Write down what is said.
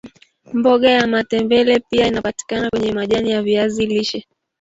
mboga ya matembele pia inapatika kwenya majani ya viazi lishe